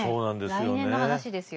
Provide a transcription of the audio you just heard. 来年の話ですよ。